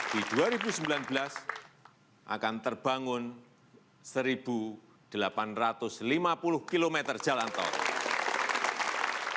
di dua ribu sembilan belas akan terbangun satu delapan ratus lima puluh km jalan tol